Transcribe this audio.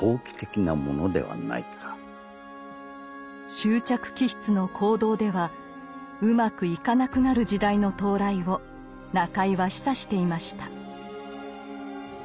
執着気質の行動ではうまくいかなくなる時代の到来を中井は示唆していました。